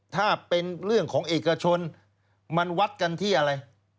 ถ้าเป็นเรื่องของเอกชนมันวัดกันที่อะไร